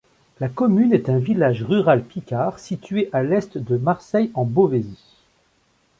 La commune est un village rural picard, situé à l'est de Marseille-en-Beauvaisis.